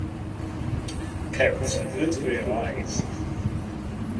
Carrots are good for your eyes.